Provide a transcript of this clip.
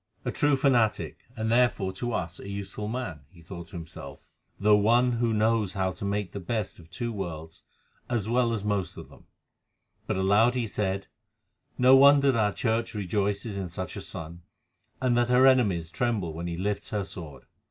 "A true fanatic, and therefore to us a useful man," he thought to himself, "though one who knows how to make the best of two worlds as well as most of them;" but aloud he said, "No wonder that our Church rejoices in such a son, and that her enemies tremble when he lifts her sword.